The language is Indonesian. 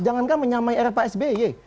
jangan kan menyamai rpsb